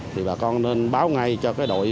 thì bà con nên báo ngay cho đội bảo vệ